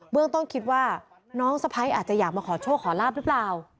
เรื่องต้นคิดว่าน้องสะพ้ายอาจจะอยากมาขอโชคขอลาบหรือเปล่า